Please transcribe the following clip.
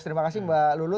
terima kasih mbak lulu